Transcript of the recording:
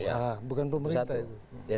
ya bukan pemerintah itu